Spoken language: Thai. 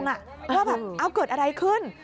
ว่าแบบเอาเกิดอะไรขึ้น